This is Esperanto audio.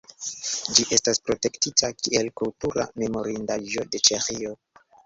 Ĝi estas protektita kiel kultura memorindaĵo de Ĉeĥio.